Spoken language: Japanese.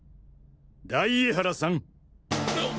大江原さん。